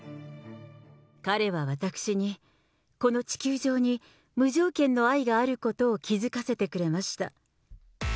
彼は私に、この地球上に無条件の愛があることを気付かせてくれました。